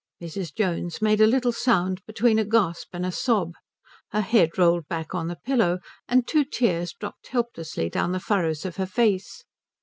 Mrs. Jones made a little sound between a gasp and a sob. Her head rolled back on the pillow, and two tears dropped helplessly down the furrows of her face.